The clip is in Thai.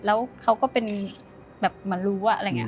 แล้วเขาก็เป็นแบบมารู้อะไรอย่างนี้